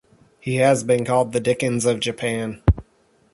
He has been called the Dickens of Japan.